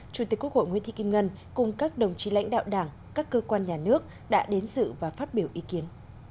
chủ tịch quốc hội nguyễn thị kim ngân cùng các đồng chí lãnh đạo đảng các cơ quan nhà nước đã đến dự và phát biểu ý kiến